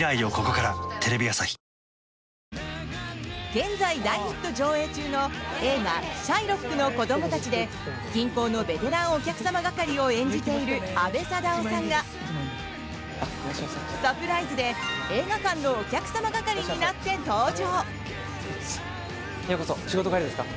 現在、大ヒット上映中の映画「シャイロックの子供たち」で銀行のベテランお客様係を演じている阿部サダヲさんがサプライズで映画館のお客様係になって登場！